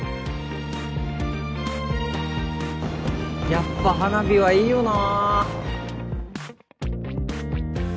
やっぱ花火はいいよな。